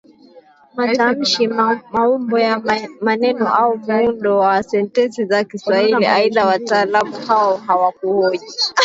matamshi maumbo ya maneno au muundo wa sentensi za Kiswahili aidha wataalamu hawa hawakuhoji